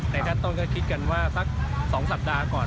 ขั้นต้นก็คิดกันว่าสัก๒สัปดาห์ก่อน